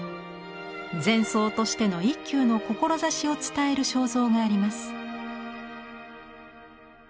禅僧としての一休の志を伝える肖像があります。